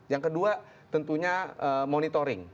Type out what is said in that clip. yang kedua tentunya monitoring